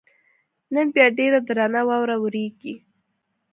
نن بیا ډېره درنه واوره ورېږي.